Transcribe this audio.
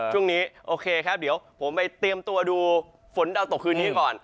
ช่วงนี้โอเคครับเดี๋ยวผมไปเตรียมตัวดูฝนดาวตกคืนนี้ก่อน